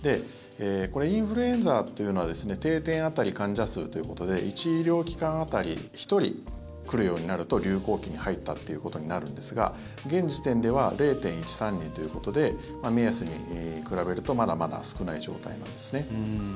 これ、インフルエンザというのは定点当たり患者数ということで１医療機関当たり１人来るようになると流行期に入ったということになるんですが現時点では０．１３人ということで目安に比べるとまだまだ少ない状態なんですね。